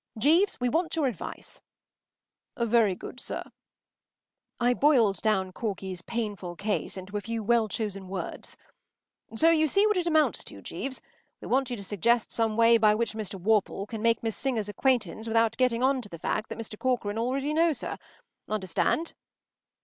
“Jeeves, we want your advice.” “Very good, sir.” I boiled down Corky’s painful case into a few well chosen words. “So you see what it amount to, Jeeves. We want you to suggest some way by which Mr. Worple can make Miss Singer’s acquaintance without getting on to the fact that Mr. Corcoran already knows her. Understand?